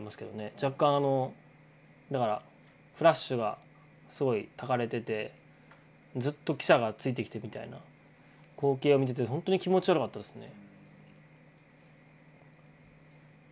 若干あのだからフラッシュがすごいたかれててずっと記者がついてきてみたいな光景を見ててほんとに気持ち悪かったですね。